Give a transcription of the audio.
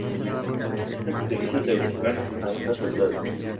Cuenta con servicios de autocar a estas ciudades.